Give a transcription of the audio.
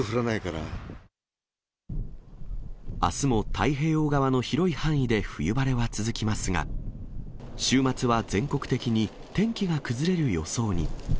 あすも太平洋側の広い範囲で冬晴れは続きますが、週末は全国的に天気が崩れる予想に。